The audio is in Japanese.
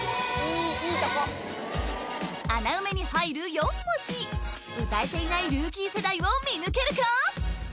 ４文字歌えていないルーキー世代を見抜けるか？